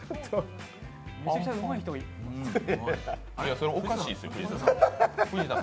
それおかしいですよ、藤田さん。